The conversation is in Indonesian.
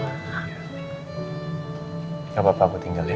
gak apa apa aku tinggal ya